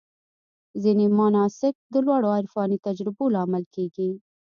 ځینې مناسک د لوړو عرفاني تجربو لامل کېږي.